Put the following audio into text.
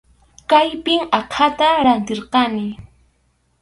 Kaypim aqhata rantirqani.